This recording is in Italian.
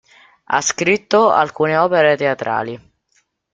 Ha scritto alcune opere teatrali.